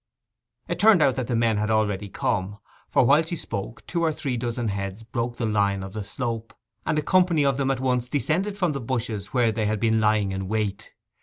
It turned out that the men had already come; for while she spoke two or three dozen heads broke the line of the slope, and a company of them at once descended from the bushes where they had been lying in wait.